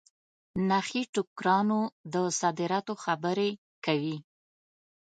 نخې ټوکرانو د صادراتو خبري کوي.